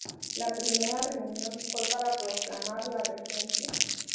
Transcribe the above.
La primera reunión fue para proclamar la regencia.